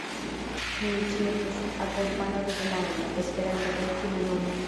Tiu ĉi estas akompanata de la angla, Esperanta kaj ĉina nomoj.